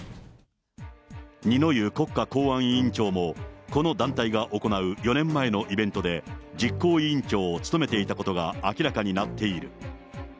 二之湯国家公安委員長も、この団体が行う４年前のイベントで、実行委員長を務めていたことが明らかになっている。